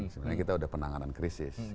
sebenarnya kita sudah penanganan krisis